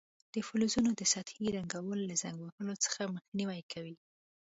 د فلزونو د سطحو رنګول له زنګ وهلو څخه مخنیوی کوي.